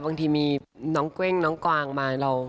บางทีมีน้องเกว้งน้องกวางมา